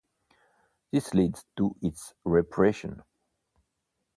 This leads to its repression.